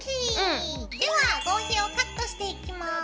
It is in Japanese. では合皮をカットしていきます。